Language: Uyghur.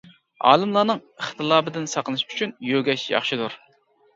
ئالىملارنىڭ ئىختىلاپىدىن ساقلىنىش ئۈچۈن يۆگەش ياخشىدۇر.